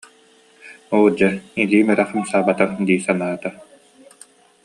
Оо, дьэ илиим эрэ хамсаабатар дии санаата